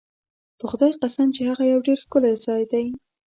په خدای قسم چې هغه یو ډېر ښکلی ځای دی.